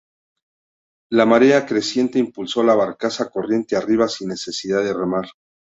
La marea creciente impulsó la barcaza corriente arriba sin necesidad de remar.